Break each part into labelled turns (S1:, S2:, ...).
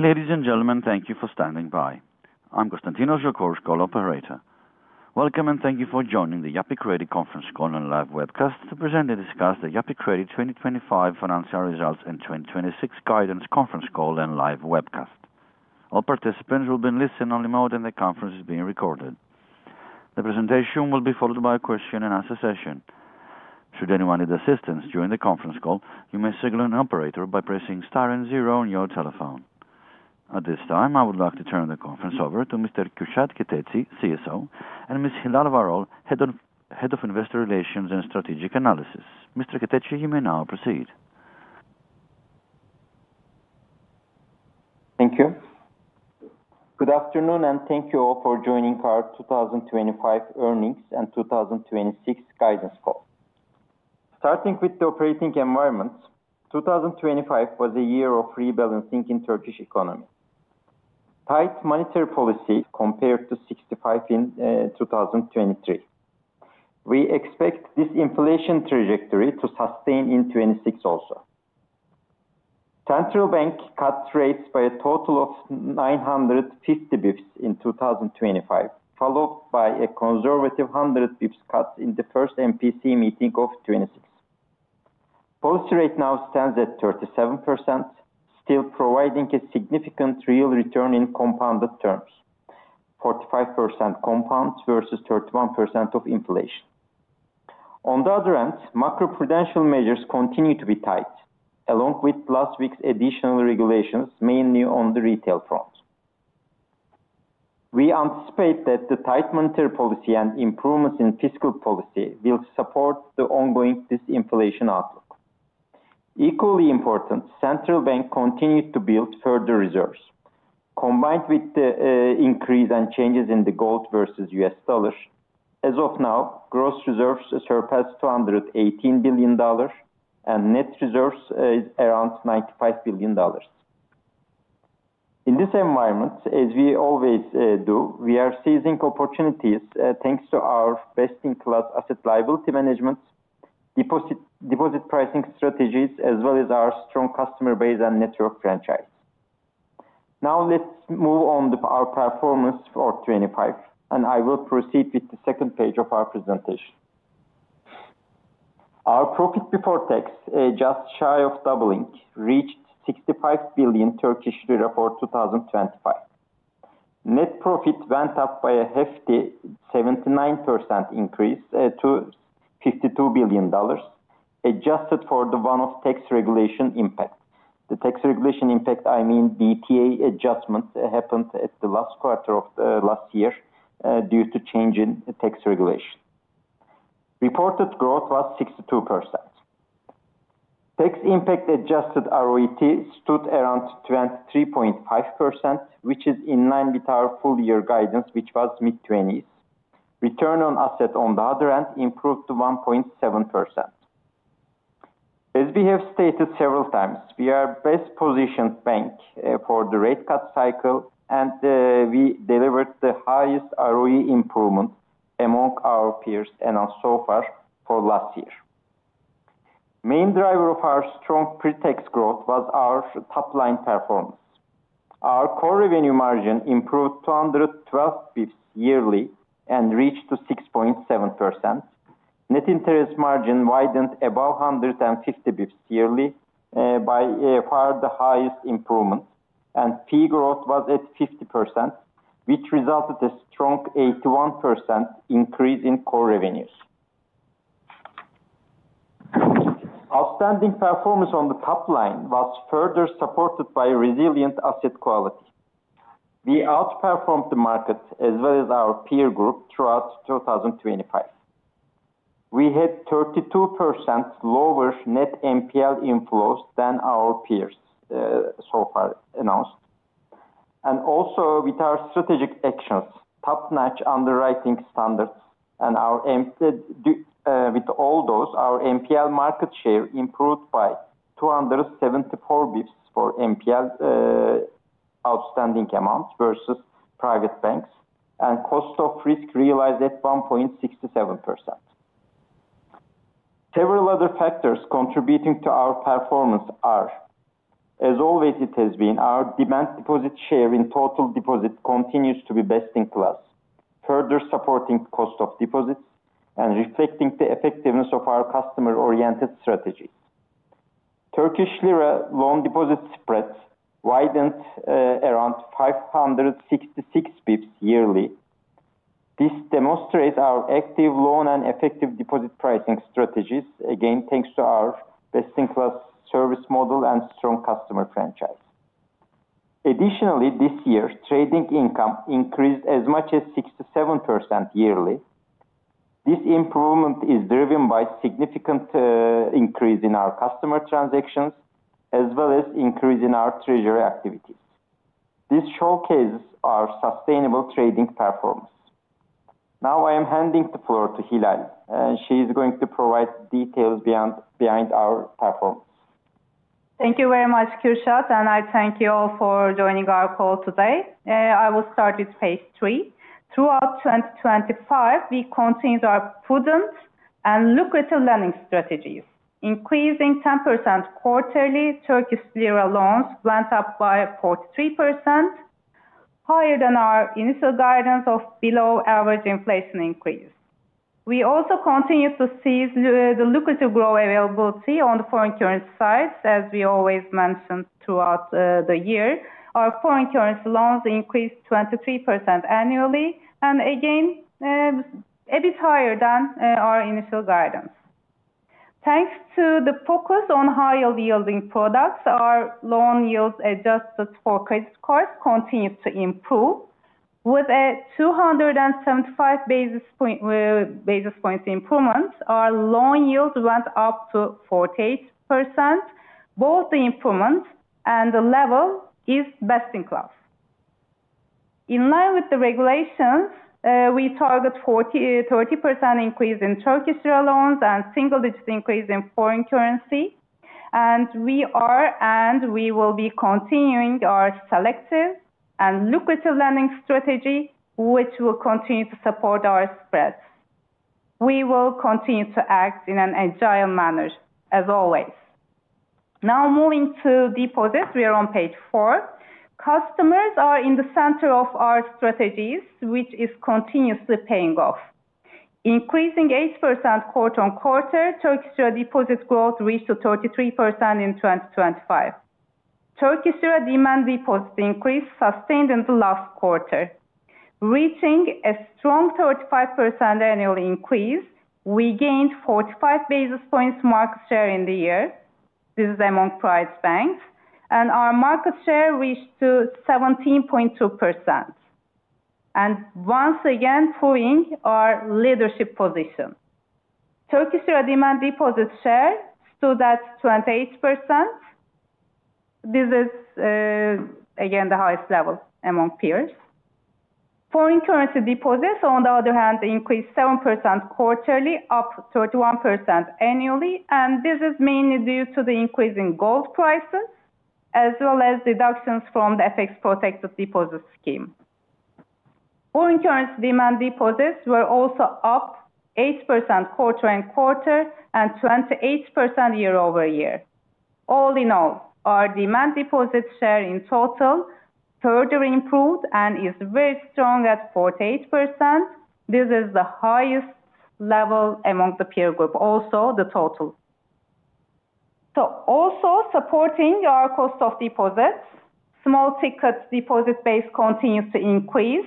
S1: Ladies and gentlemen, thank you for standing by. I'm Constantinos Giakoumis, call operator. Welcome, and thank you for joining the Yapı Kredi Conference Call and Live Webcast to present and discuss the Yapı Kredi 2025 Financial Results and 2026 Guidance Conference Call and Live Webcast. All participants will be in listen-only mode, and the conference is being recorded. The presentation will be followed by a Q&A session. Should anyone need assistance during the conference call, you may signal an operator by pressing star and zero on your telephone. At this time, I would like to turn the conference over to Mr. Kürşad Keteci, CSO, and Ms. Hilal Varol, head of, Head of Investor Relations and Strategic Analysis. Mr. Keteci, you may now proceed.
S2: Thank you. Good afternoon, and thank you all for joining our 2025 Earnings and 2026 Guidance Call. Starting with the operating environment, 2025 was a year of rebalancing in Turkish economy. Tight monetary policy compared to 65 in, two thousand and twenty-three. We expect this inflation trajectory to sustain in 2026 also. Central Bank cut rates by a total of 950 basis points in 2025, followed by a conservative 100 basis points cuts in the first MPC meeting of 2026. Policy rate now stands at 37%, still providing a significant real return in compounded terms, 45% compound versus 31% of inflation. On the other hand, macro-prudential measures continue to be tight, along with last week's additional regulations, mainly on the retail front. We anticipate that the tight monetary policy and improvements in fiscal policy will support the ongoing disinflation outlook. Equally important, central bank continued to build further reserves. Combined with the, increase and changes in the gold versus US dollar, as of now, gross reserves surpassed $218 billion, and net reserves is around $95 billion. In this environment, as we always, do, we are seizing opportunities, thanks to our best-in-class asset liability management, deposit, deposit pricing strategies, as well as our strong customer base and network franchise. Now, let's move on to our performance for 2025, and I will proceed with the second page of our presentation. Our profit before tax, just shy of doubling, reached 65 billion Turkish lira for 2025. Net profit went up by a hefty 79% increase to $52 billion, adjusted for the one-off tax regulation impact. The tax regulation impact, the DTA adjustment happened at the last quarter of last year due to change in the tax regulation. Reported growth was 62%. Tax impact adjusted ROTE stood around 23.5%, which is in line with our full year guidance, which was mid-twenties. Return on Assets, on the other hand, improved to 1.7%. As we have stated several times, we are best-positioned bank for the rate cut cycle, and we delivered the highest ROE improvement among our peers and also far for last year. Main driver of our strong pre-tax growth was our top-line performance. Our core revenue margin improved 212 basis points yearly and reached to 6.7%. Net interest margin widened above 150 basis points yearly, by far the highest improvement, and fee growth was at 50%, which resulted a strong 81% increase in core revenues. Outstanding performance on the top line was further supported by resilient asset quality. We outperformed the market as well as our peer group throughout 2025. We had 32% lower net NPL inflows than our peers, so far announced. And also with our strategic actions, top-notch underwriting standards, and our with all those, our NPL market share improved by 274 basis points for NPL outstanding amounts versus private banks, and cost of risk realized at 1.67%. Several other factors contributing to our performance are, as always, it has been our demand deposit share in total deposits continues to be best in class, further supporting cost of deposits and reflecting the effectiveness of our customer-oriented strategies. Turkish lira loan deposit spreads widened around 566 basis points yearly. This demonstrates our active loan and effective deposit pricing strategies, again, thanks to our best-in-class service model and strong customer franchise. Additionally, this year, trading income increased as much as 67% yearly. This improvement is driven by significant increase in our customer transactions, as well as increase in our treasury activities. This showcases our sustainable trading performance. Now, I am handing the floor to Hilal, and she's going to provide details beyond, behind our performance.
S3: Thank you very much, Kürşad, and I thank you all for joining our call today. I will start with page three. Throughout 2025, we continued our prudent and lucrative lending strategies, increasing 10% quarterly, Turkish lira loans went up by 43%, higher than our initial guidance of below average inflation increase. We also continue to see the lucrative growth availability on the foreign currency side, as we always mentioned throughout the year. Our foreign currency loans increased 23% annually, and again, a bit higher than our initial guidance. Thanks to the focus on high-yielding products, our loan yields adjusted for credit cards continue to improve. With a 275 basis points improvement, our loan yield went up to 48%. Both the improvement and the level is best in class. In line with the regulations, we target 40-30% increase in Turkish lira loans and single-digit increase in foreign currency. We are, and we will be continuing our selective and lucrative lending strategy, which will continue to support our spreads. We will continue to act in an agile manner, as always. Now, moving to deposits, we are on page 4. Customers are in the center of our strategies, which is continuously paying off. Increasing 8% quarter on quarter, Turkish lira deposits growth reached 33% in 2025. Turkish lira demand deposits increase sustained in the last quarter, reaching a strong 35% annual increase. We gained 45 basis points market share in the year. This is among private banks, and our market share reached 17.2%. And once again, proving our leadership position. Turkish lira demand deposit share stood at 28%. This is, again, the highest level among peers. Foreign currency deposits, on the other hand, increased 7% quarterly, up 31% annually, and this is mainly due to the increase in gold prices, as well as deductions from the FX Protected Deposit Scheme. Foreign currency demand deposits were also up 8% quarter-over-quarter and 28% year-over-year. All in all, our demand deposit share in total further improved and is very strong at 48%. This is the highest level among the peer group, also the total. So also supporting our cost of deposits, small tickets deposit base continues to increase,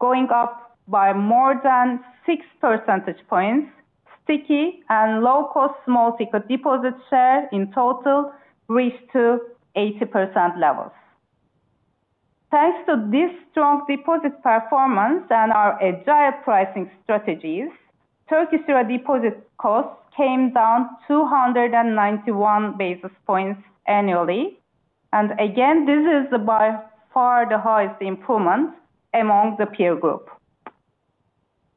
S3: going up by more than 6 percentage points. Sticky and low-cost small ticket deposit share in total reached to 80% levels. Thanks to this strong deposit performance and our agile pricing strategies, Turkish lira deposit costs came down 291 basis points annually. Again, this is by far the highest improvement among the peer group.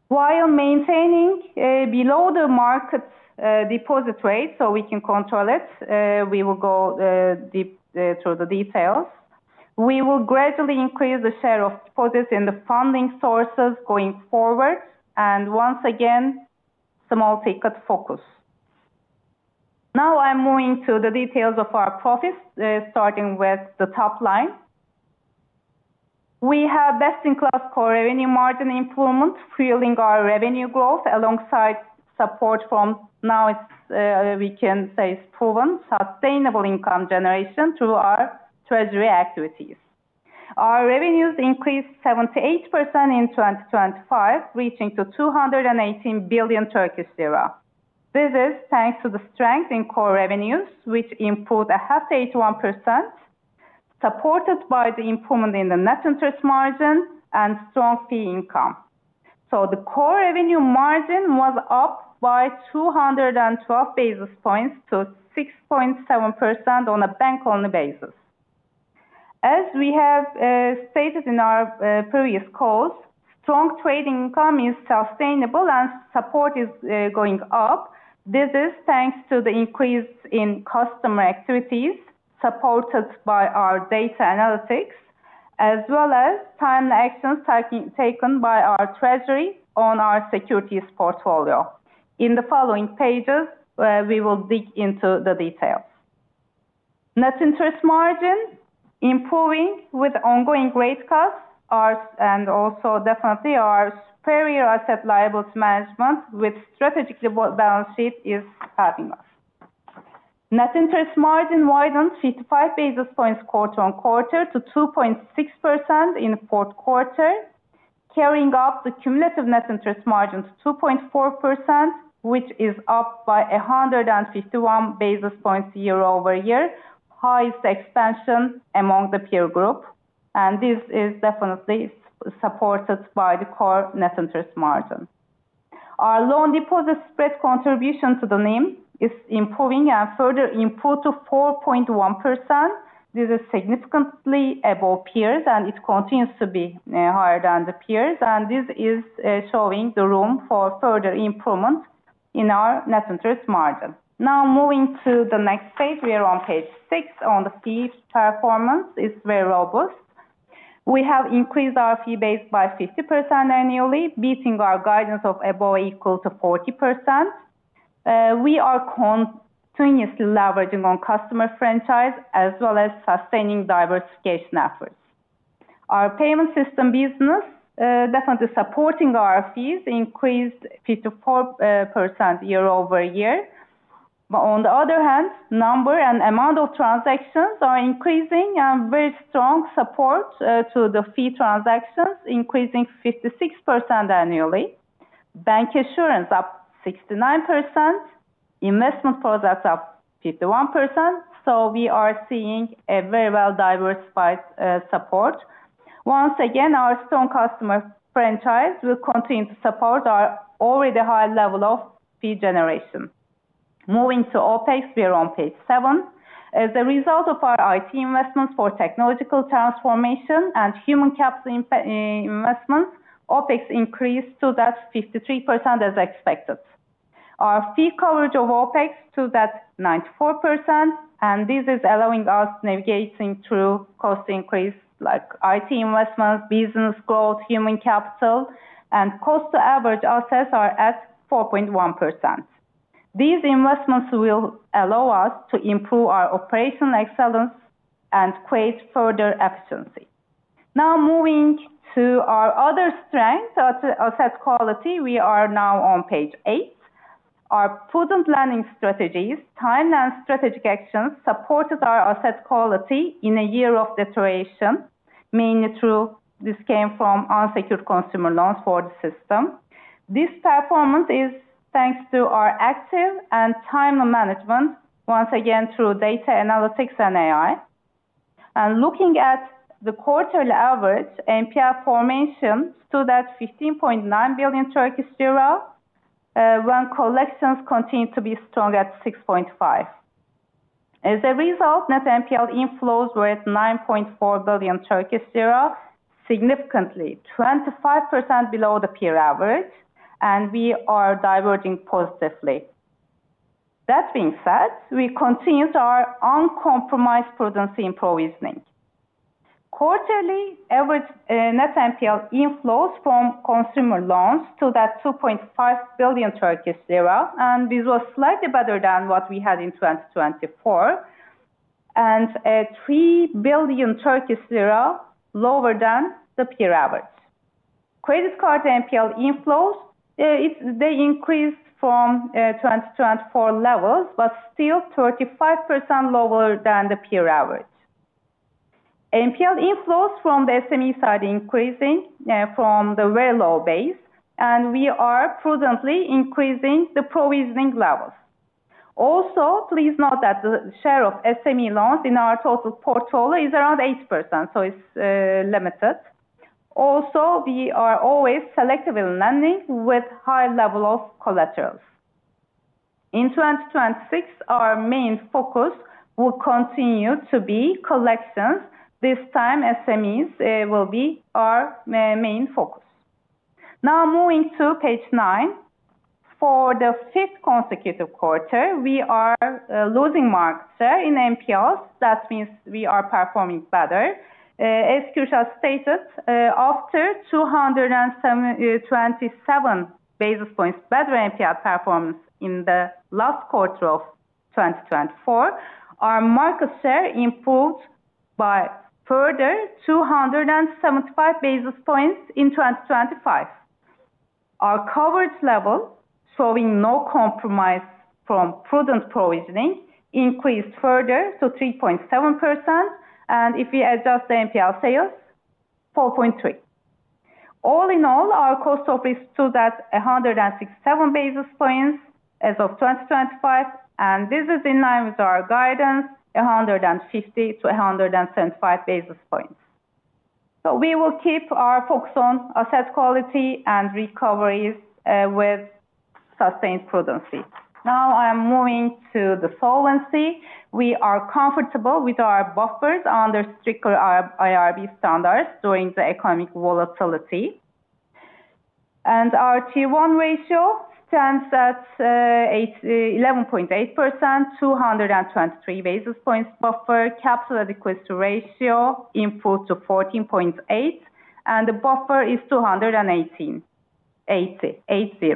S3: While maintaining below the market deposit rate, so we can control it, we will go deep through the details. We will gradually increase the share of deposits in the funding sources going forward, and once again, small ticket focus. Now I'm moving to the details of our profits, starting with the top line. We have best-in-class core revenue margin improvement, fueling our revenue growth alongside support from now it's, we can say it's proven sustainable income generation through our treasury activities. Our revenues increased 78% in 2025, reaching to 218 billion Turkish lira. This is thanks to the strength in core revenues, which improved a half 81%, supported by the improvement in the net interest margin and strong fee income. So the core revenue margin was up by 212 basis points to 6.7% on a bank-only basis. As we have stated in our previous calls, strong trading income is sustainable and support is going up. This is thanks to the increase in customer activities, supported by our data analytics, as well as timely actions taken by our treasury on our securities portfolio. In the following pages, we will dig into the details. Net interest margin improving with ongoing rate cuts are, and also definitely our superior asset liabilities management with strategic balance sheet is helping us. Net interest margin widened 55 basis points quarter-on-quarter to 2.6% in the Q4, carrying up the cumulative net interest margin to 2.4%, which is up by 151 basis points year-over-year, highest expansion among the peer group, and this is definitely supported by the core net interest margin. Our loan deposit spread contribution to the NIM is improving and further improved to 4.1%. This is significantly above peers, and it continues to be higher than the peers, and this is showing the room for further improvement in our net interest margin. Now, moving to the next page. We are on page 6. On the fees, performance is very robust. We have increased our fee base by 50% annually, beating our guidance of above equal to 40%. We are continuously leveraging on customer franchise as well as sustaining diversification efforts. Our payment system business, definitely supporting our fees, increased 54% year-over-year. But on the other hand, number and amount of transactions are increasing and very strong support to the fee transactions, increasing 56% annually. Bank assurance up 69%, investment products up 51%, so we are seeing a very well-diversified support. Once again, our strong customer franchise will continue to support our already high level of fee generation. Moving to OpEx, we are on page 7. As a result of our IT investments for technological transformation and human capital investments, OpEx increased to that 53% as expected. Our fee coverage of OpEx to that 94%, and this is allowing us navigating through cost increase, like IT investments, business growth, human capital, and cost to average assets are at 4.1%. These investments will allow us to improve our operational excellence and create further efficiency. Now, moving to our other strength, our asset quality, we are now on page 8. Our prudent planning strategies, timeline, strategic actions supported our asset quality in a year of deterioration, mainly through this came from our secured consumer loans for the system. This performance is thanks to our active and timely management, once again, through data analytics and AI. And looking at the quarterly average, NPL formations stood at 15.9 billion Turkish lira, when collections continued to be strong at 6.5 billion. As a result, net NPL inflows were at 9.4 billion Turkish lira, significantly 25% below the peer average, and we are diverging positively. That being said, we continued our uncompromised prudence provisioning. Quarterly average net NPL inflows from consumer loans to that 2.5 billion Turkish lira, and this was slightly better than what we had in 2024, and 3 billion Turkish lira lower than the peer average. Credit card NPL inflows, they increased from 2024 levels, but still 35% lower than the peer average. NPL inflows from the SME side increasing from the very low base, and we are prudently increasing the provisioning levels. Also, please note that the share of SME loans in our total portfolio is around 8%, so it's limited. Also, we are always selective in lending with high level of collaterals. In 2026, our main focus will continue to be collections. This time, SMEs will be our main focus. Now moving to page 9. For the fifth consecutive quarter, we are losing market share in NPLs. That means we are performing better. As Kürşat stated, after twenty-seven basis points better NPL performance in the last quarter of 2024, our market share improved by further 275 basis points in 2025. Our coverage level, showing no compromise from prudent provisioning, increased further to 3.7%, and if we adjust the NPL sales, 4.3%. All in all, our cost op is still at 167 basis points as of 2025, and this is in line with our guidance, 150-125 basis points. So we will keep our focus on asset quality and recoveries with sustained prudence. Now I am moving to the solvency. We are comfortable with our buffers under stricter IR, IRB standards during the economic volatility. Our Tier I ratio stands at 11.8%, 223 basis points buffer, capital adequacy ratio improved to 14.8, and the buffer is 280.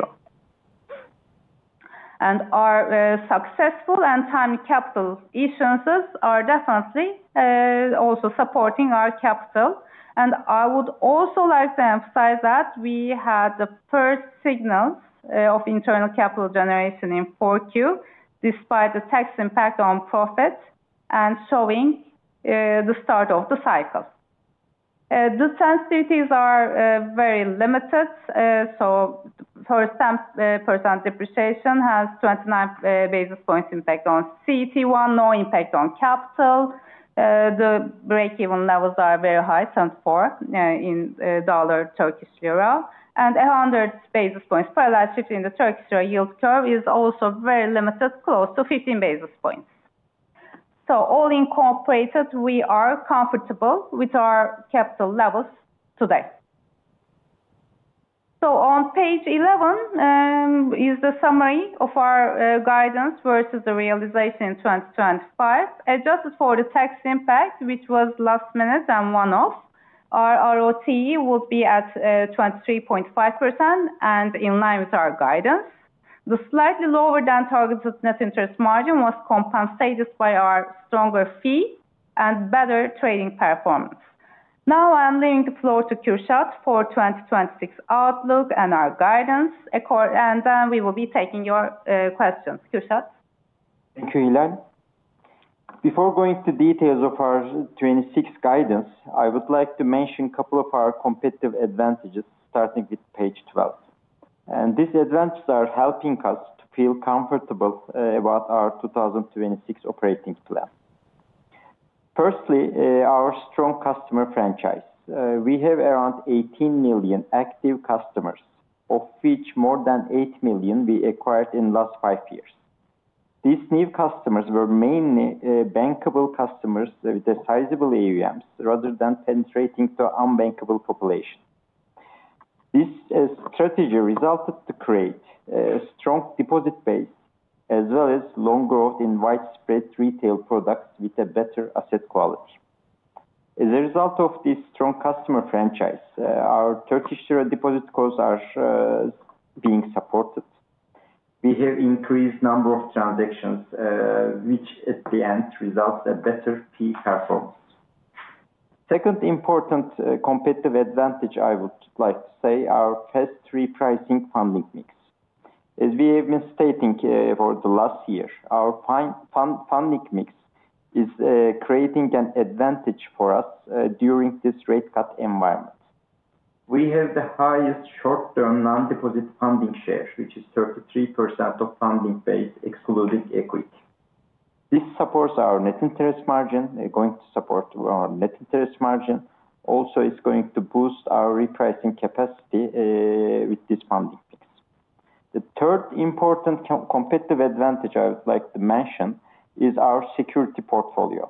S3: Our successful and timely capital issuances are definitely also supporting our capital. And I would also like to emphasize that we had the first signals of internal capital generation in Q4, despite the tax impact on profit and showing the start of the cycle. The sensitivities are very limited. So for 10% depreciation has 29 basis points impact on CET1, no impact on capital. The break-even levels are very high, 10.4 in dollar Turkish lira, and 100 basis points. Parallel shift in the Turkish lira yield curve is also very limited, close to 15 basis points. So all incorporated, we are comfortable with our capital levels today. So on page 11 is the summary of our guidance versus the realization in 2025. Adjusted for the tax impact, which was last minute and one-off, our ROTE will be at 23.5% and in line with our guidance. The slightly lower than targeted net interest margin was compensated by our stronger fee and better trading performance. Now I'm leaving the floor to Kürşat for 2026 outlook and our guidance call, and then we will be taking your questions. Kürşat?
S2: Thank you, Hilal. Before going to details of our 2026 guidance, I would like to mention a couple of our competitive advantages, starting with page 12. These advantages are helping us to feel comfortable about our 2026 operating plan. Firstly, our strong customer franchise. We have around 18 million active customers, of which more than 8 million we acquired in last 5 years. These new customers were mainly bankable customers with a sizable AUMs, rather than penetrating to unbankable population. This strategy resulted to create strong deposit base as well as loan growth in widespread retail products with a better asset quality. As a result of this strong customer franchise, our Turkish lira deposit costs are being supported. We have increased number of transactions, which at the end results a better fee performance. Second important competitive advantage I would like to say, our fast repricing funding mix. As we have been stating for the last year, our funding mix is creating an advantage for us during this rate cut environment. We have the highest short-term non-deposit funding share, which is 33% of funding base, excluding equity. This supports our net interest margin, going to support our net interest margin. Also, it's going to boost our repricing capacity with this funding mix. The third important competitive advantage I would like to mention is our security portfolio.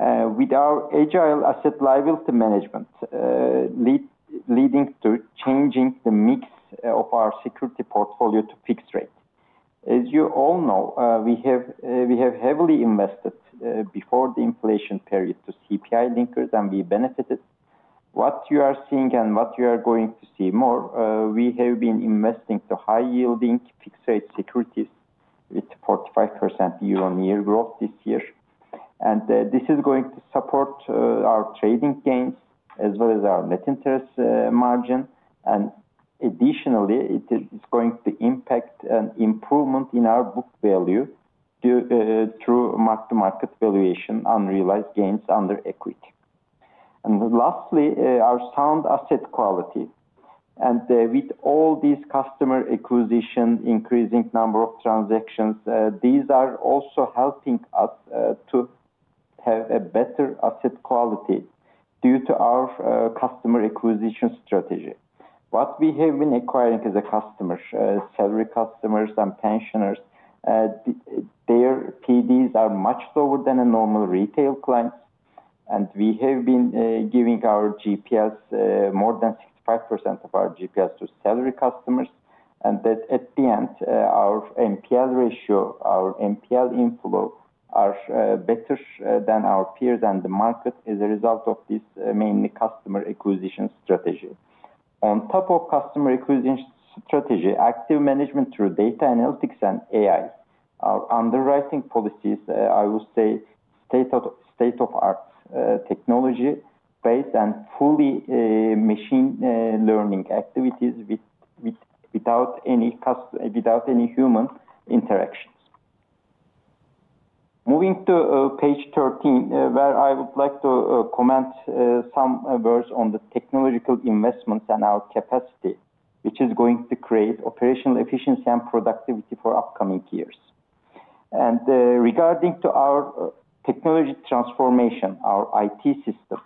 S2: With our agile asset liability management, leading to changing the mix of our security portfolio to fixed rate. As you all know, we have heavily invested before the inflation period to CPI Linkers, and we benefited. What you are seeing and what you are going to see more, we have been investing to high-yielding fixed rate securities with 45% year-on-year growth this year. And this is going to support our trading gains as well as our net interest margin. And additionally, it is going to impact an improvement in our book value due through mark-to-market valuation, unrealized gains under equity. And lastly, our sound asset quality. And with all these customer acquisition, increasing number of transactions, these are also helping us to have a better asset quality due to our customer acquisition strategy. What we have been acquiring is a customer, salary customers and pensioners. Their PDs are much lower than a normal retail clients, and we have been giving our GPS more than 65% of our GPS to salary customers. And that at the end, our NPL ratio, our NPL inflow are better than our peers and the market as a result of this mainly customer acquisition strategy. On top of customer acquisition strategy, active management through data analytics and AI. Our underwriting policies, I would say, state-of-the-art technology-based and fully machine learning activities without any human interactions. Moving to page 13, where I would like to comment some words on the technological investments and our capacity, which is going to create operational efficiency and productivity for upcoming years. Regarding to our technology transformation, our IT system,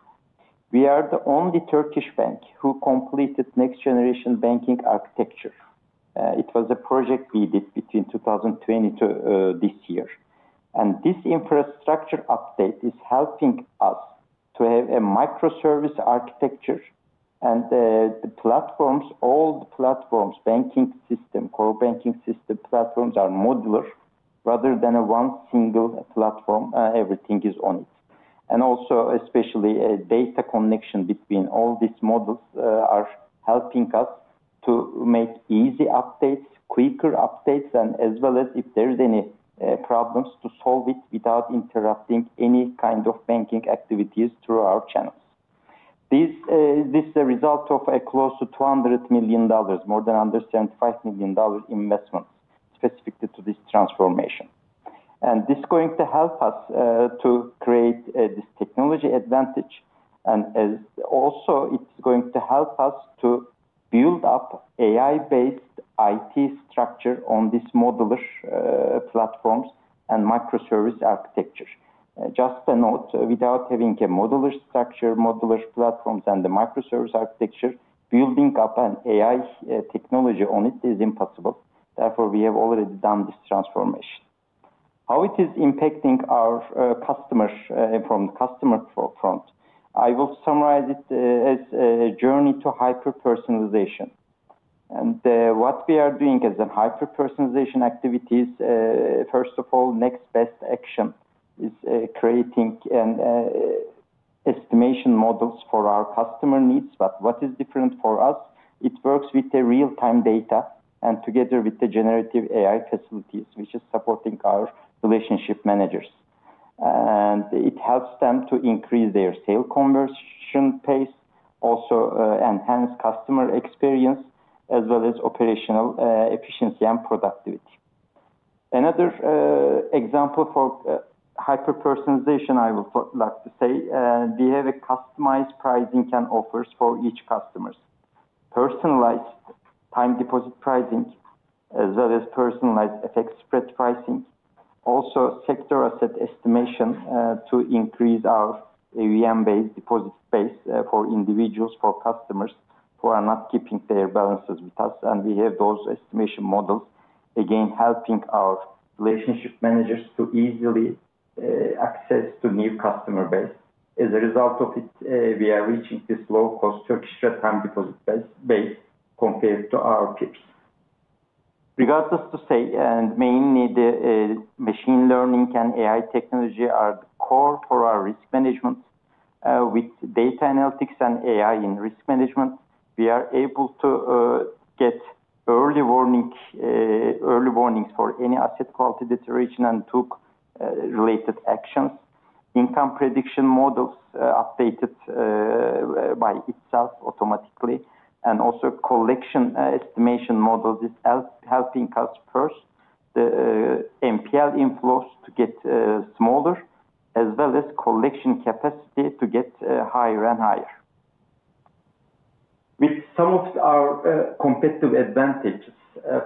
S2: we are the only Turkish bank who completed Next-Generation Banking Architecture. It was a project we did between 2020 to this year. This infrastructure update is helping us to have a microservice architecture and, the platforms, all the platforms, banking system, core banking system platforms, are modular rather than a one single platform, everything is on it. And also especially a data connection between all these models, are helping us to make easy updates, quicker updates, and as well as if there is any, problems, to solve it without interrupting any banking activities through our channels. This, this is a result of a close to $200 million, more than $175 million investment specifically to this transformation. And this is going to help us, to create, this technology advantage, and as also it's going to help us to build up AI-based IT structure on this modular, platforms and microservice architecture. Just a note, without having a modular structure, modular platforms, and the microservice architecture, building up an AI technology on it is impossible. Therefore, we have already done this transformation. How it is impacting our customers from customer front? I will summarize it as a journey to hyper personalization. And what we are doing as a hyper personalization activities, first of all, next best action is creating an estimation models for our customer needs. But what is different for us, it works with the real-time data and together with the generative AI facilities, which is supporting our relationship managers. And it helps them to increase their sale conversion pace, also enhance customer experience, as well as operational efficiency and productivity. Another example for hyper personalization, I would like to say, we have a customized pricing and offers for each customers. Personalized time deposit pricing, as well as personalized FX spread pricing. Also, sector asset estimation to increase our AUM-based deposit base for individuals, for customers who are not keeping their balances with us. And we have those estimation models, again, helping our relationship managers to easily access to new customer base. As a result of it, we are reaching this low-cost Turkish time deposit base compared to our peers. Regardless to say, and mainly the machine learning and AI technology are the core for our risk management. With data analytics and AI in risk management, we are able to get early warning, early warnings for any asset quality deterioration and took related actions. Income prediction models updated by itself automatically, and also collection estimation models is helping us first, the NPL inflows to get smaller, as well as collection capacity to get higher and higher. With some of our competitive advantages,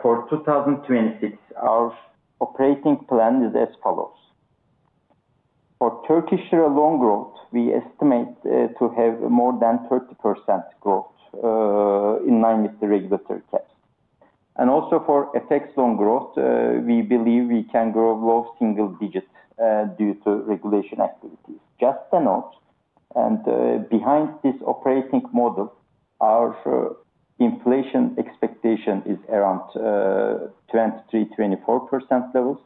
S2: for 2026, our operating plan is as follows: For Turkish lira loan growth, we estimate to have more than 30% growth in line with the regulatory test. And also for FX loan growth, we believe we can grow low single digits due to regulation activities. Just a note, and behind this operating model, our inflation expectation is around 23%-24% levels.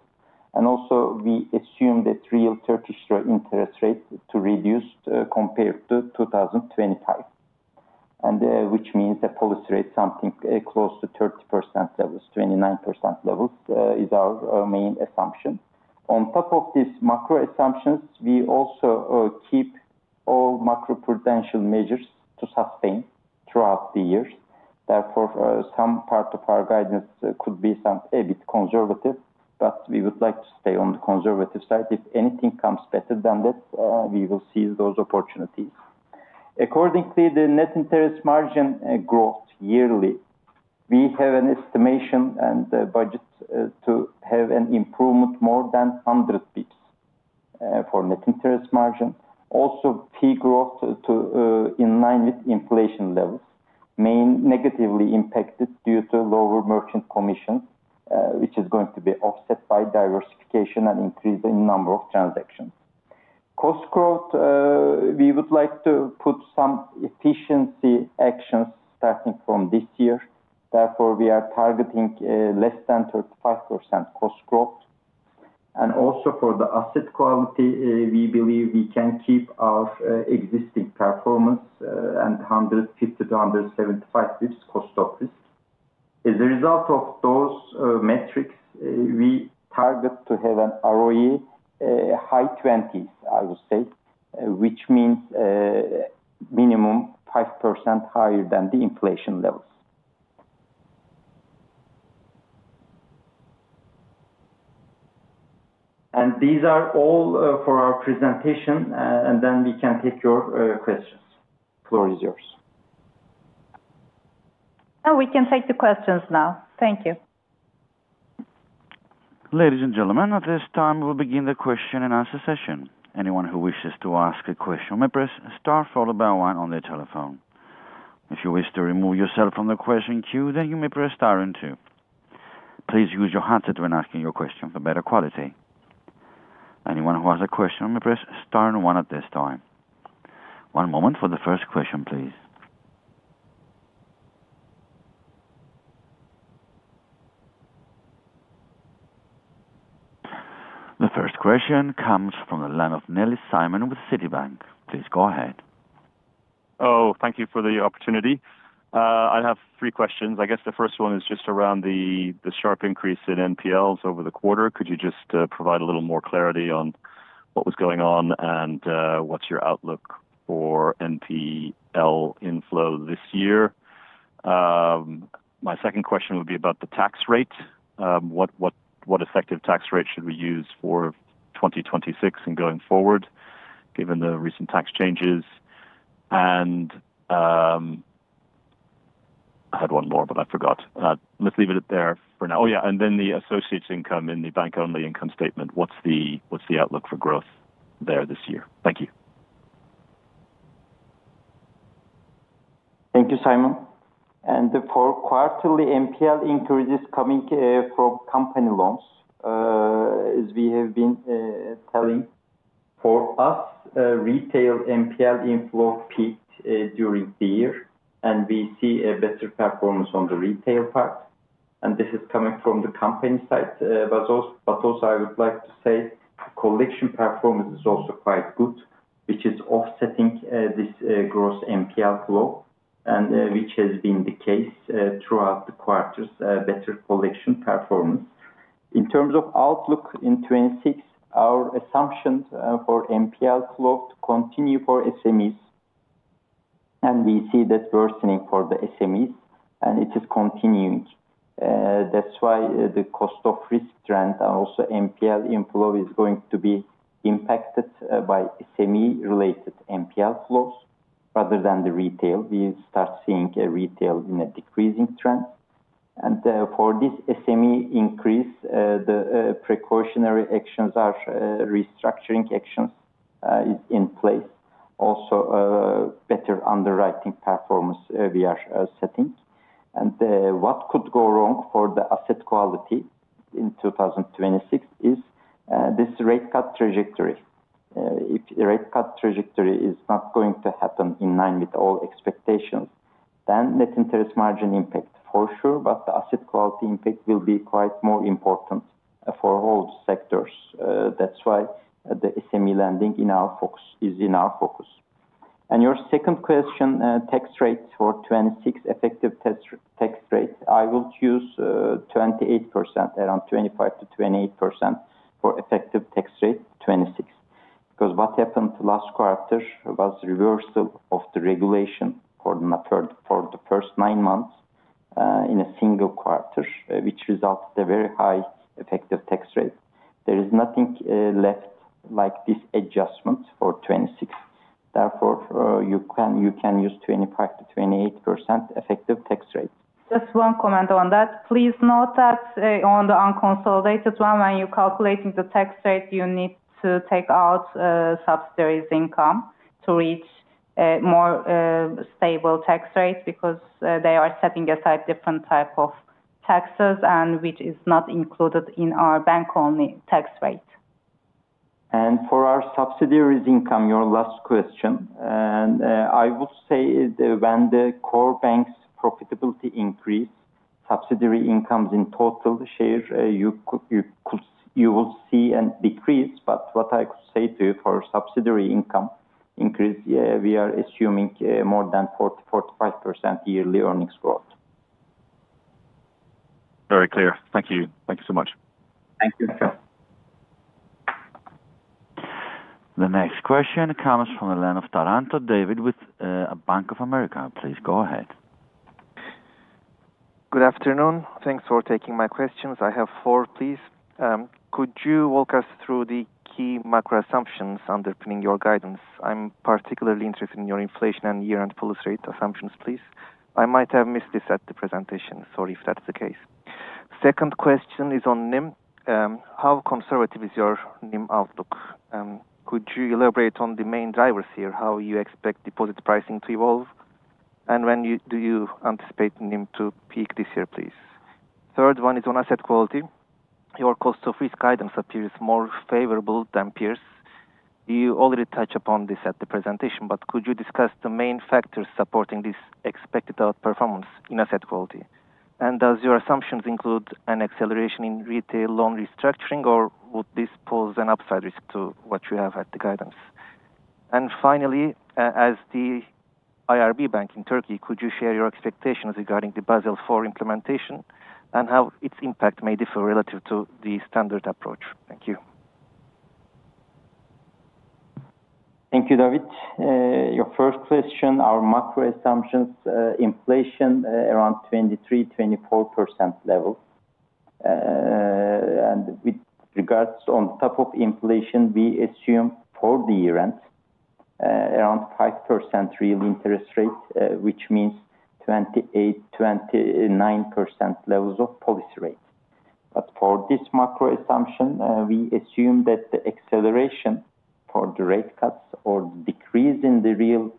S2: Also we assume that real Turkish lira interest rate to reduce, compared to 2025, and which means the policy rate something close to 30% levels, 29% levels, is our main assumption. On top of these macro assumptions, we also keep all macroprudential measures to sustain throughout the years. Therefore, some part of our guidance could be some a bit conservative, but we would like to stay on the conservative side. If anything comes better than this, we will seize those opportunities. Accordingly, the net interest margin growth yearly, we have an estimation and budget to have an improvement more than 100 basis points for net interest margin. Also, fee growth to, in line with inflation levels, mainly negatively impacted due to lower merchant commission, which is going to be offset by diversification and increase in number of transactions. Cost growth, we would like to put some efficiency actions starting from this year. Therefore, we are targeting, less than 35% cost growth. And also for the asset quality, we believe we can keep our, existing performance, and 150-175 basis points cost of risk. As a result of those, metrics, we target to have an ROE high 20s, I would say, which means, minimum 5% higher than the inflation levels. And these are all, for our presentation, and then we can take your, questions. Floor is yours.
S3: Now we can take the questions now. Thank you.
S1: Ladies and gentlemen, at this time, we'll begin the Q&A session. Anyone who wishes to ask a question may press star followed by one on their telephone. If you wish to remove yourself from the question queue, then you may press star and two. Please use your handset when asking your question for better quality. Anyone who has a question may press star and one at this time. One moment for the first question, please. The first question comes from the line of Simon Nellis with Citibank. Please go ahead.
S4: Oh, thank you for the opportunity. I have three questions. I guess the first one is just around the sharp increase in NPLs over the quarter. Could you just provide a little more clarity on what was going on and what's your outlook for NPL inflow this year? My second question would be about the tax rate. What effective tax rate should we use for 2026 and going forward, given the recent tax changes? And I had one more, but I forgot. Let's leave it at there for now. Then the associates income and the bank-only income statement. What's the outlook for growth there this year? Thank you.
S2: Thank you, Simon. For quarterly NPL increases coming from company loans, as we have been telling, for us, retail NPL inflow peaked during the year, and we see a better performance on the retail part, and this is coming from the company side. But also, but also I would like to say collection performance is also quite good, which is offsetting this gross NPL flow, and which has been the case throughout the quarters, better collection performance. In terms of outlook in 2026, our assumptions for NPL flow to continue for SMEs, and we see this worsening for the SMEs, and it is continuing. That's why the cost of risk trend and also NPL inflow is going to be impacted by SME-related NPL flows rather than the retail. We start seeing retail in a decreasing trend. For this SME increase, the precautionary actions are restructuring actions in place. Also, better underwriting performance we are setting. What could go wrong for the asset quality in 2026 is this rate cut trajectory. If rate cut trajectory is not going to happen in line with all expectations, then net interest margin impact for sure, but the asset quality impact will be quite more important for all sectors. That's why the SME lending in our focus is in our focus. Your second question, tax rate for 2026, effective tax rate, I would use 28%, around 25%-28% for effective tax rate 2026. Because what happened last quarter was reversal of the regulation for the first nine months in a single quarter, which resulted a very high effective tax rate. There is nothing left like this adjustment for 2026. Therefore, you can use 25%-28% effective tax rate.
S3: Just one comment on that. Please note that, on the unconsolidated one, when you're calculating the tax rate, you need to take out, subsidiaries income to reach a more, stable tax rate, because, they are setting aside different type of taxes and which is not included in our bank-only tax rate.
S2: For our subsidiaries income, your last question, and I would say when the core bank's profitability increase, subsidiary incomes in total share, you will see a decrease. But what I could say to you, for subsidiary income increase, we are assuming more than 40%-45% yearly earnings growth.
S4: Very clear. Thank you. Thank you so much.
S2: Thank you.
S1: The next question comes from the line of David Taranto with Bank of America. Please go ahead.
S5: Good afternoon. Thanks for taking my questions. I have four, please. Could you walk us through the key macro assumptions underpinning your guidance? I'm particularly interested in your inflation and year-end full rate assumptions, please. I might have missed this at the presentation. Sorry if that's the case. Second question is on NIM. How conservative is your NIM outlook? Could you elaborate on the main drivers here, how you expect deposit pricing to evolve, and when do you anticipate NIM to peak this year, please? Third one is on asset quality. Your cost of risk guidance appears more favorable than peers. You already touched upon this at the presentation, but could you discuss the main factors supporting this expected outperformance in asset quality? Does your assumptions include an acceleration in retail loan restructuring, or would this pose an upside risk to what you have at the guidance? And finally, as the IRB bank in Turkey, could you share your expectations regarding the Basel IV implementation and how its impact may differ relative to the standard approach? Thank you.
S2: Thank you, David. Your first question, our macro assumptions, inflation around 23%-24% level. And with regards on top of inflation, we assume for the year-end, around 5% real interest rate, which means 28%-29% levels of policy rate. But for this macro assumption, we assume that the acceleration for the rate cuts or decrease in the real,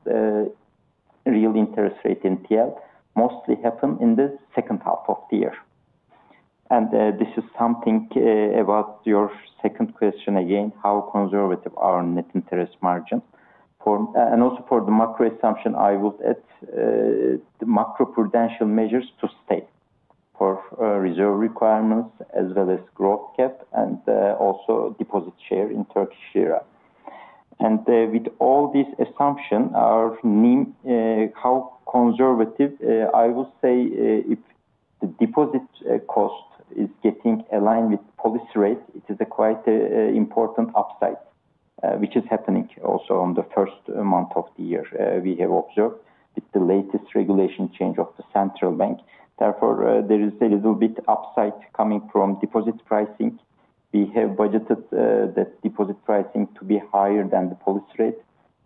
S2: real interest rate in TL mostly happen in the H2 of the year. And, this is something about your second question again, how conservative are net interest margin? For, and also for the macro assumption, I would add, the macroprudential measures to stay for reserve requirements as well as growth cap and, also deposit share in Turkish lira. With all these assumptions, our NIM, how conservative, I will say, if the deposit cost is getting aligned with policy rate, it is a quite important upside, which is happening also on the first month of the year. We have observed with the latest regulation change of the central bank, therefore, there is a little bit upside coming from deposit pricing. We have budgeted the deposit pricing to be higher than the policy rate.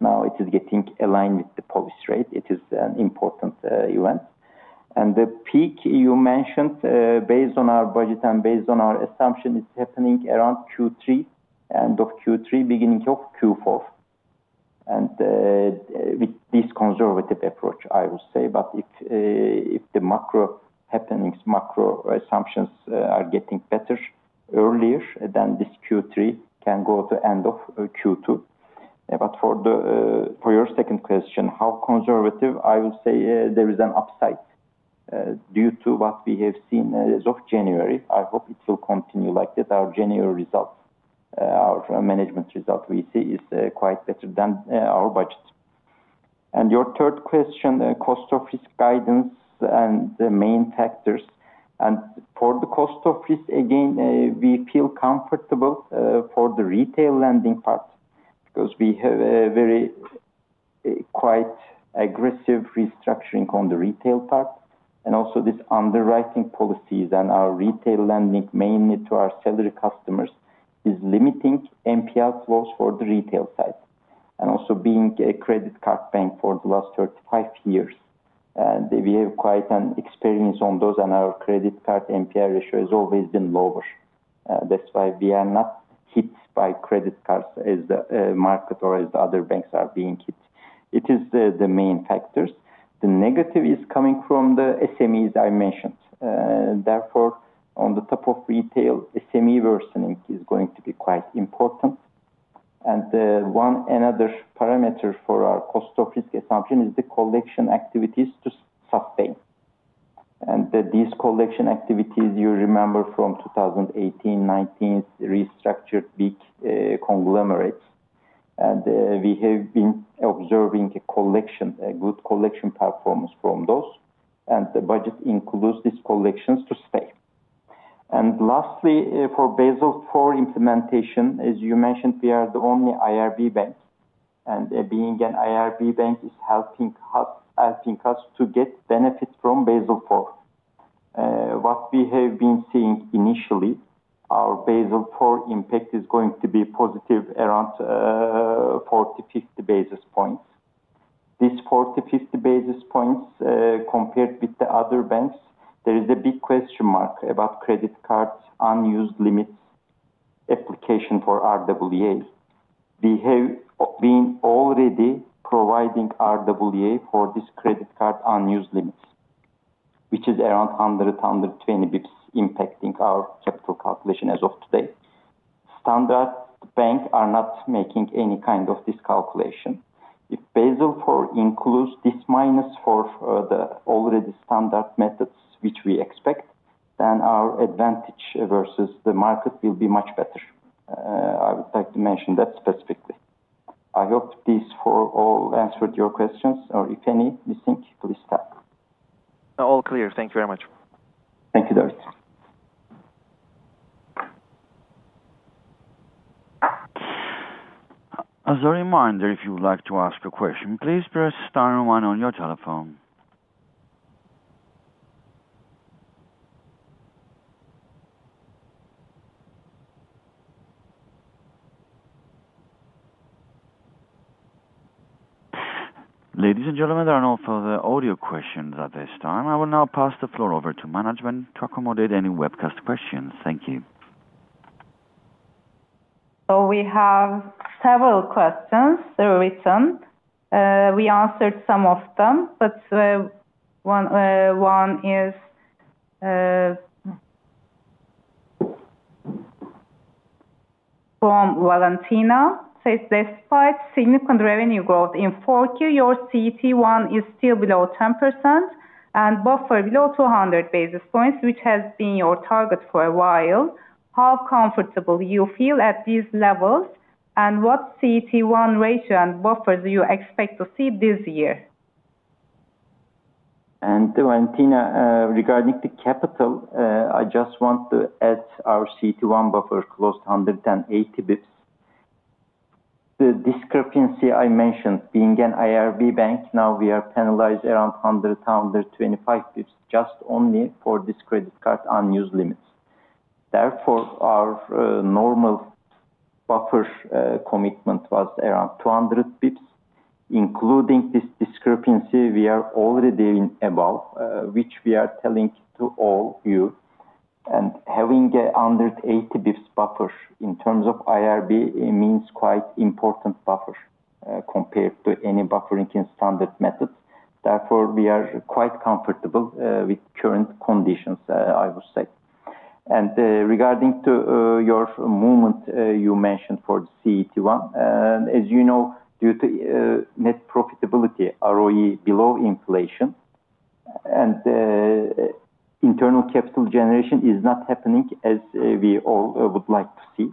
S2: Now it is getting aligned with the policy rate. It is an important event and the peak you mentioned, based on our budget and based on our assumptions, is happening around Q3, end of Q3, beginning of Q4. With this conservative approach, I would say, but if the macro happenings, macro assumptions, are getting better earlier than this Q3, can go to end of Q2. But for your second question, how conservative? I will say, there is an upside, due to what we have seen as of January. I hope it will continue like this. Our January results, our management result we see is quite better than our budget. And your third question, cost of risk guidance and the main factors. And for the cost of risk, again, we feel comfortable for the retail lending part, because we have a very quite aggressive restructuring on the retail part. And also this underwriting policies and our retail lending, mainly to our salary customers, is limiting NPL flows for the retail side. And also being a credit card bank for the last 35 years, we have quite an experience on those, and our credit card NPL ratio has always been lower. That's why we are not hit by credit cards as the market or as the other banks are being hit. It is the main factors. The negative is coming from the SMEs I mentioned. Therefore, on the top of retail, SME worsening is going to be quite important. And one another parameter for our cost of risk assumption is the collection activities to sustain. And that these collection activities, you remember from 2018, 2019, restructured big conglomerates. And we have been observing a collection, a good collection performance from those, and the budget includes these collections to stay. And lastly, for Basel IV implementation, as you mentioned, we are the only IRB bank. And being an IRB bank is helping us, helping us to get benefit from Basel IV. What we have been seeing initially, our Basel IV impact is going to be positive around 40-50 basis points. This 40-50 basis points, compared with the other banks, there is a big question mark about credit cards' unused limits application for RWA. We have been already providing RWA for this credit card unused limits, which is around 100-120 basis points, impacting our capital calculation as of today. Standard bank are not making any this calculation. If Basel IV includes this minus for the already standard methods, which we expect, then our advantage versus the market will be much better. I would like to mention that specifically. I hope these four all answered your questions, or if any missing, please stop.
S5: All clear. Thank you very much.
S2: Thank you, David.
S1: As a reminder, if you would like to ask a question, please press star one on your telephone. Ladies and gentlemen, there are no further audio questions at this time. I will now pass the floor over to management to accommodate any webcast questions. Thank you.
S3: So we have several questions written. We answered some of them, but one is from Valentina. Says: Despite significant revenue growth in 4Q, your CET1 is still below 10% and buffer below 200 basis points, which has been your target for a while. How comfortable you feel at these levels, and what CET1 ratio and buffer do you expect to see this year?
S2: Valentina, regarding the capital, I just want to add our CET1 buffer closed 180 basis points. The discrepancy I mentioned, being an IRB bank, now we are penalized around 100-125 basis points, just only for this credit card unused limits. Therefore, our normal buffer commitment was around 200 basis points. Including this discrepancy, we are already doing above, which we are telling to all you. Having an under 80 basis points buffer in terms of IRB, it means quite important buffer, compared to any buffering in standard methods. Therefore, we are quite comfortable with current conditions, I would say. Regarding to your movement, you mentioned for the CET1. As you know, due to net profitability, ROE below inflation and internal capital generation is not happening as we all would like to see.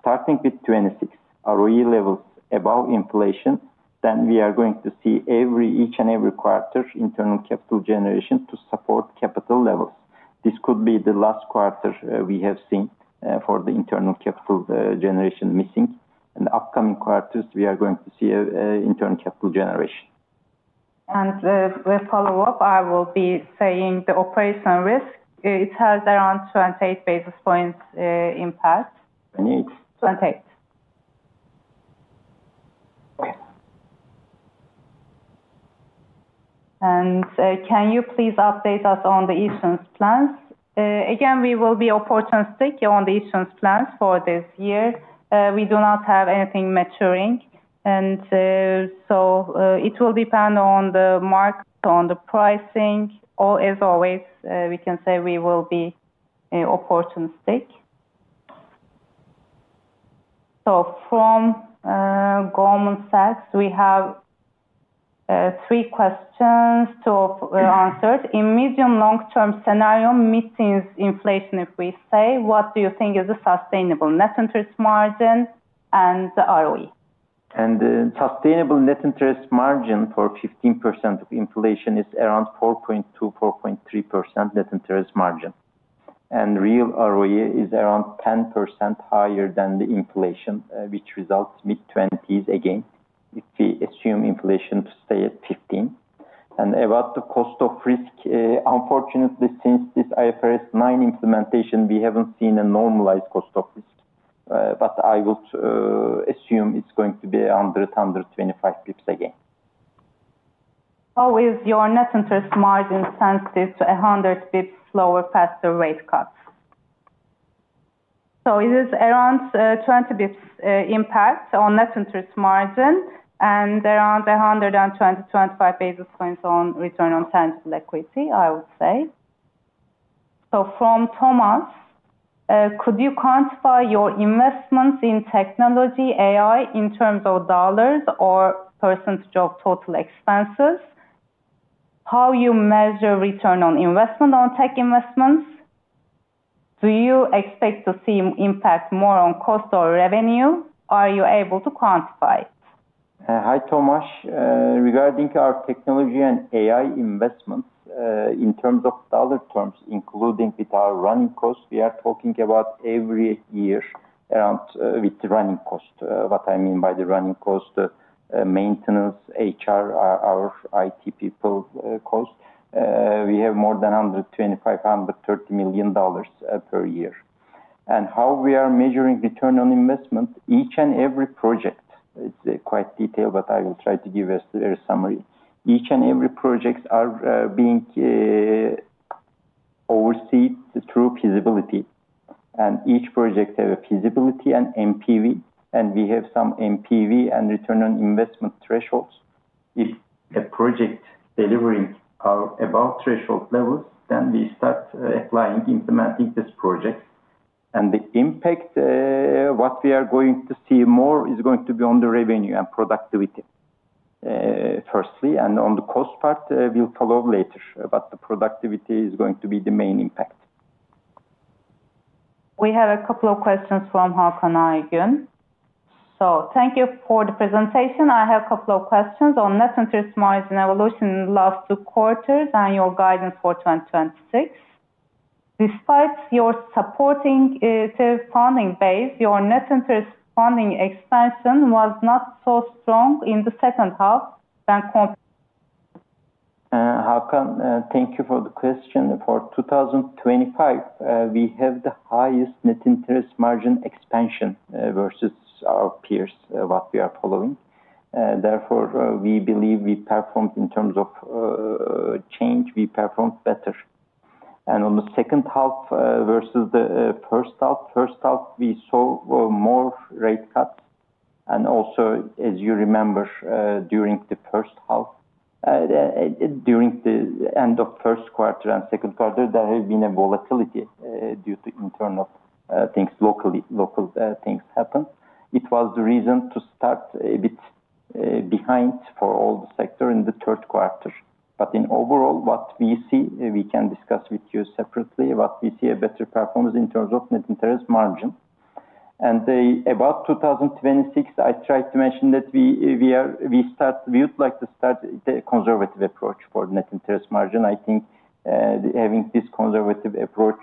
S2: Starting with 2026, ROE levels above inflation, then we are going to see every, each and every quarter, internal capital generation to support capital levels. This could be the last quarter we have seen for the internal capital generation missing. In the upcoming quarters, we are going to see a internal capital generation.
S3: With follow-up, I will be saying the operational risk. It has around 28 basis points impact.
S2: Twenty-eight?
S3: 28. Can you please update us on the issuance plans? Again, we will be opportunistic on the issuance plans for this year. We do not have anything maturing, and so it will depend on the market, on the pricing, or as always, we can say we will be opportunistic. So from Goldman Sachs, we have three questions to answered. In medium long-term scenario meetings inflation, if we say, what do you think is a sustainable net interest margin and the ROE?
S2: And the sustainable net interest margin for 15% of inflation is around 4.2-4.3% net interest margin. And real ROE is around 10% higher than the inflation, which results mid-20s again, if we assume inflation to stay at 15. And about the cost of risk, unfortunately, since this IFRS 9 implementation, we haven't seen a normalized cost of risk. But I would assume it's going to be under 25 pips again.
S3: How is your net interest margin sensitive to 100 basis points slower, faster rate cuts? So it is around 20 basis points impact on net interest margin and around 120-125 basis points on return on tangible equity, I would say. So from Thomas, could you quantify your investments in technology, AI, in terms of dollars or percentage of total expenses? How you measure return on investment on tech investments? Do you expect to see impact more on cost or revenue, or are you able to quantify it?
S2: Hi, Thomas. Regarding our technology and AI investments, in terms of dollar terms, including with our running costs, we are talking about every year around, with the running cost. What I mean by the running cost, maintenance, HR, our, our IT people, cost, we have more than $125-$130 million per year. And how we are measuring return on investment, each and every project, it's quite detailed, but I will try to give a summary. Each and every projects are being oversee through feasibility, and each project have a feasibility and NPV, and we have some NPV and return on investment thresholds. If a project delivering are above threshold levels, then we start applying, implementing this project. The impact, what we are going to see more, is going to be on the revenue and productivity, firstly, and on the cost part. We'll follow up later, but the productivity is going to be the main impact.
S3: We have a couple of questions from Hakan Aygün. So thank you for the presentation. I have a couple of questions on net interest margin evolution in last 2 quarters and your guidance for 2026. Despite your supporting funding base, your net interest funding expansion was not so strong in the H2 than compared.
S2: Hakan, thank you for the question. For 2025, we have the highest net interest margin expansion versus our peers, what we are following. Therefore, we believe we performed in terms of change; we performed better. And on the H2 versus the H1, we saw more rate cuts. And also, as you remember, during the H1, during the end of Q1 and Q2, there has been a volatility due to internal things, local things happen. It was the reason to start a bit behind for all the sector in the Q3. But in overall, what we see, we can discuss with you separately, but we see a better performance in terms of net interest margin. About 2026, I tried to mention that we would like to start the conservative approach for net interest margin. I think, having this conservative approach,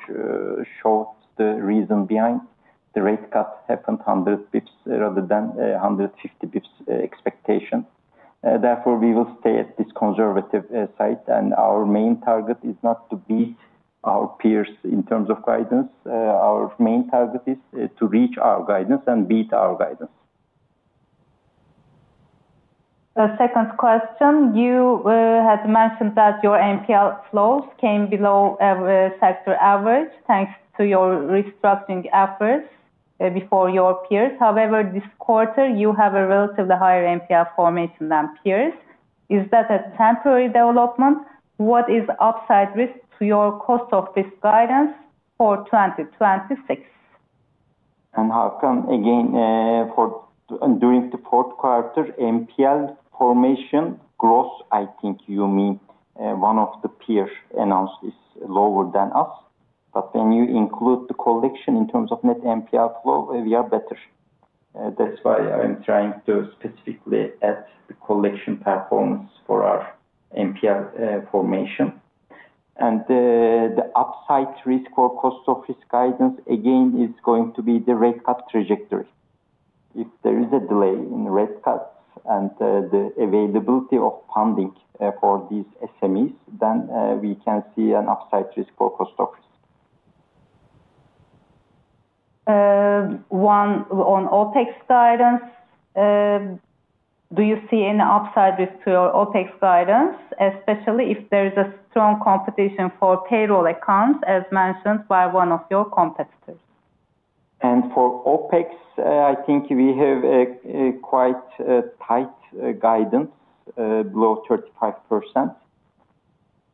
S2: shows the reason behind the rate cuts happened 100 pips rather than 150 pips, expectation. Therefore, we will stay at this conservative side, and our main target is not to beat our peers in terms of guidance. Our main target is to reach our guidance and beat our guidance.
S3: Second question: You had mentioned that your NPL flows came below sector average, thanks to your restructuring efforts before your peers. However, this quarter you have a relatively higher NPL formation than peers. Is that a temporary development? What is upside risk to your cost of risk guidance for 2026?
S2: Hakan, again, during the Q4, NPL formation growth, I think you mean, one of the peers announced is lower than us. But when you include the collection in terms of net NPL flow, we are better. That's why I'm trying to specifically add the collection performance for our NPL formation. And the upside risk or cost of risk guidance, again, is going to be the rate cut trajectory. If there is a delay in rate cuts and the availability of funding for these SMEs, then we can see an upside risk for cost of risk. One on OpEx guidance. Do you see any upside with your OpEx guidance, especially if there is a strong competition for payroll accounts, as mentioned by one of your competitors? And for OpEx, I think we have a quite tight guidance below 35%.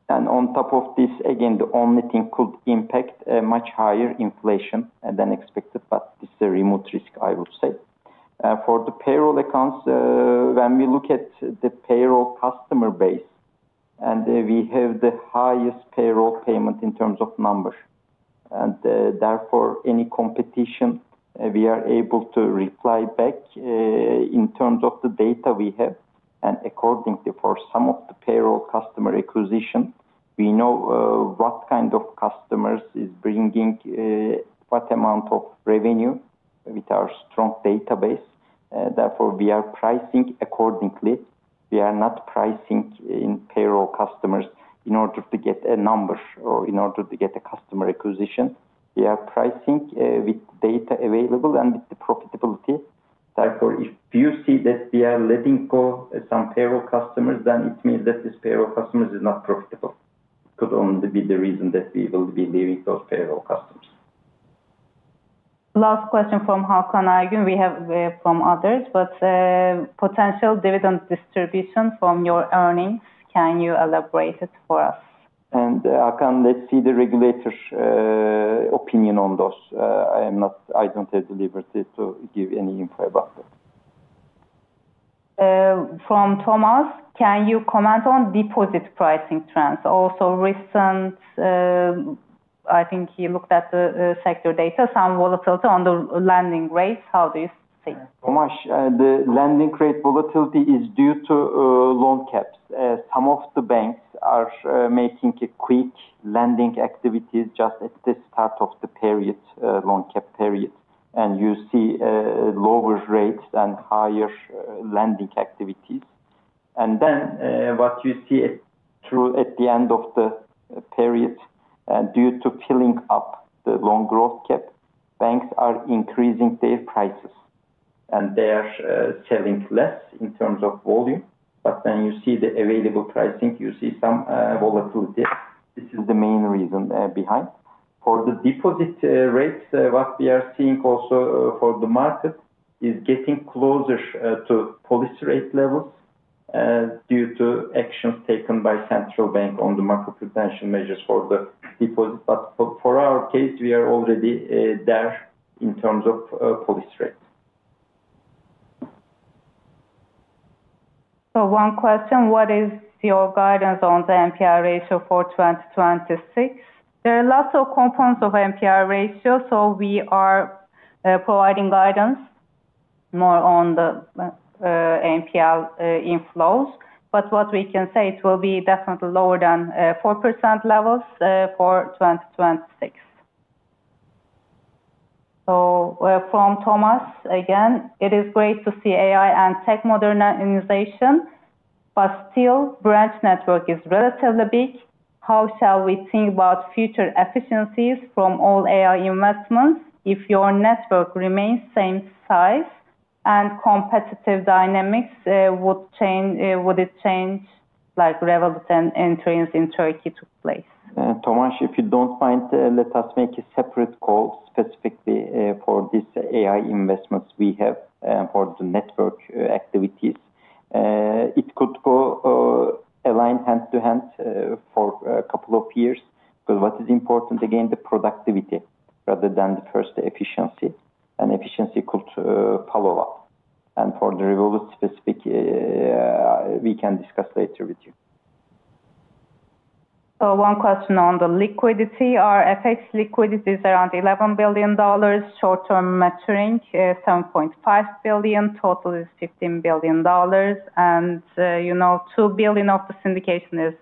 S2: And on top of this, again, the only thing could impact a much higher inflation than expected, but it's a remote risk, I would say. For the payroll accounts, when we look at the payroll customer base, and we have the highest payroll payment in terms of numbers, and therefore, any competition, we are able to reply back in terms of the data we have. And accordingly, for some of the payroll customer acquisition, we know what customers is bringing what amount of revenue with our strong database, therefore, we are pricing accordingly. We are not pricing in payroll customers in order to get a number or in order to get a customer acquisition. We are pricing with data available and with the profitability. Therefore, if you see that we are letting go some payroll customers, then it means that this payroll customers is not profitable. Could only be the reason that we will be leaving those payroll customers.
S3: Last question from Hakan Aygün. We have from others, but potential dividend distribution from your earnings, can you elaborate it for us?
S2: Hakan, let's see the regulators' opinion on those. I am not. I don't have the liberty to give any info about that.
S3: From Thomas: Can you comment on deposit pricing trends? Also recent, I think he looked at the, the sector data, some volatility on the lending rates. How do you see?
S2: Thomas, the lending rate volatility is due to loan caps. Some of the banks are making a quick lending activity just at the start of the period, loan cap period. And you see lower rates and higher lending activities. And then, what you see it through at the end of the period, due to filling up the loan growth cap, banks are increasing their prices, and they are selling less in terms of volume. But when you see the available pricing, you see some volatility. This is the main reason behind. For the deposit rates, what we are seeing also for the market is getting closer to policy rate levels due to actions taken by central bank on the macro-prudential measures for the deposit. But for our case, we are already there in terms of policy rate.
S3: So one question: What is your guidance on the NPL ratio for 2026? There are lots of components of NPL ratio, so we are providing guidance more on the NPL inflows. But what we can say, it will be definitely lower than 4% levels for 2026. So from Thomas, again, it is great to see AI and tech modernization, but still, branch network is relatively big. How shall we think about future efficiencies from all AI investments if your network remains same size and competitive dynamics would change, would it change, like, Revolut and entrants in Turkey took place?
S2: Thomas, if you don't mind, let us make a separate call specifically for this AI investments we have for the network activities. It could go align hand to hand for a couple of years. But what is important, again, the productivity rather than the first efficiency. And efficiency could follow up. And for the Revolut specific, we can discuss later with you.
S3: So one question on the liquidity. Our FX liquidity is around $11 billion, short-term maturing $7.5 billion, total is $15 billion. And you know, $2 billion of the syndication is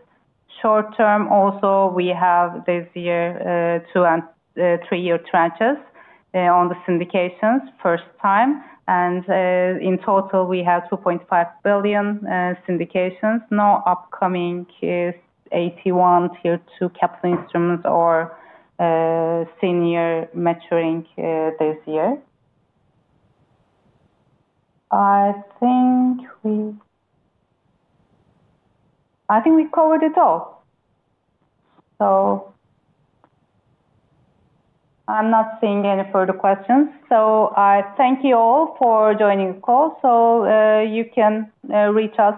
S3: short term. Also, we have this year 2- and 3-year tranches on the syndications first time. And in total, we have $2.5 billion syndications. No upcoming AT1, Tier 2 capital instruments or senior maturing this year. I think we covered it all. So I'm not seeing any further questions, so I thank you all for joining the call. So you can reach us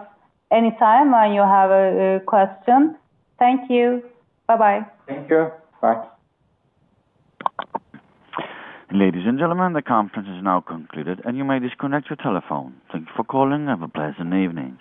S3: anytime when you have a question. Thank you. Bye-bye.
S2: Thank you. Bye.
S1: Ladies and gentlemen, the conference is now concluded, and you may disconnect your telephone. Thank you for calling. Have a pleasant evening.